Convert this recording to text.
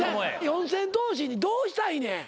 四千頭身にどうしたいねん。